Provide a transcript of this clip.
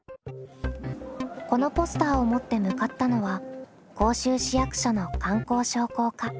このポスターを持って向かったのは甲州市役所の観光商工課。